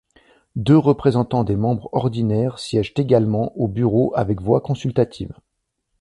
Deux représentants des membres ordinaires siègent également au Bureau avec voix consultative.